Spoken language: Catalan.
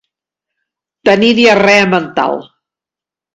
Tenir diarrea mental.